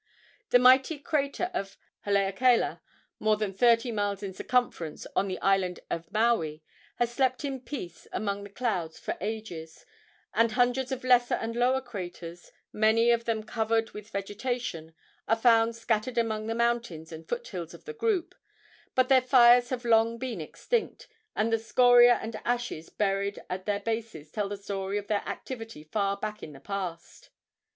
The mighty crater of Haleakala, more than thirty miles in circumference, on the island of Maui, has slept in peace among the clouds for ages, and hundreds of lesser and lower craters, many of them covered with vegetation, are found scattered among the mountains and foot hills of the group; but their fires have long been extinct, and the scoria and ashes buried at their bases tell the story of their activity far back in the past.